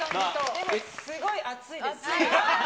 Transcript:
でもすごい熱いです。